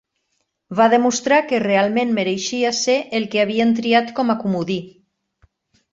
Va demostrar que realment mereixia ser el que havien triat com a comodí.